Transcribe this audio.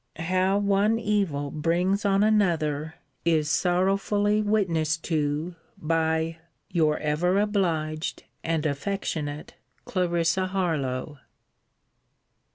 How one evil brings on another, is sorrowfully witnessed to by Your ever obliged and affectionate, CL. HARLOWE.